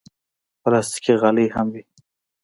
پلاستيکي غالۍ هم وي.